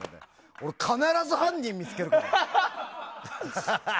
俺、必ず犯人見つける。